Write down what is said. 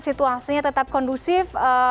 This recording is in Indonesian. situasinya tetap kondusif